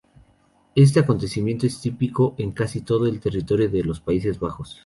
Este acontecimiento es típico en casi todo el territorio de los Países Bajos.